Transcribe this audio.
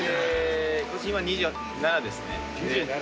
今２７ですね。